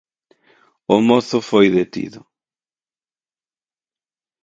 O mozo foi detido.